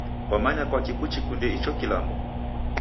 Kwamanya kwaki kuchikunde icho kilambo?